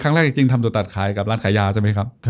ครั้งแรกจริงทำตัวตัดขายกับร้านขายยาใช่ไหมครับ